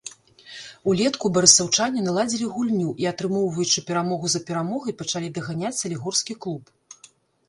Улетку барысаўчане наладзілі гульню, і, атрымоўваючы перамогу за перамогай, пачалі даганяць салігорскі клуб.